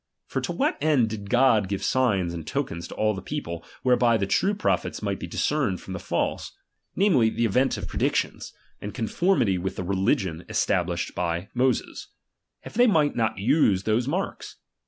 For to what end did God give signs and tokens to all the people, whereby the true prophets might be discerned from the false ; namely, the event of predictions, and conformity with the religion esta blished by Moses; if they might not use those marks